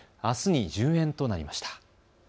あすに順延となりました。